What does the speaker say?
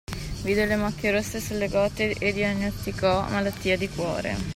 Vide le macchie rosse sulle gote e diagnosticò: malattia di cuore.